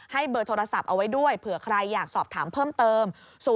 เบอร์โทรศัพท์เอาไว้ด้วยเผื่อใครอยากสอบถามเพิ่มเติม